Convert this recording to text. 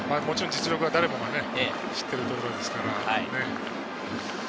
実力は誰もが知っているところですからね。